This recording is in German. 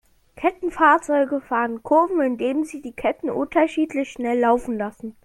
Kettenfahrzeuge fahren Kurven, indem sie die Ketten unterschiedlich schnell laufen lassen.